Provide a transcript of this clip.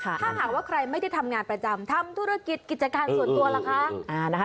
ถ้าหากว่าใครไม่ได้ทำงานประจำทำธุรกิจกิจการส่วนตัวล่ะคะ